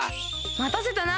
またせたな！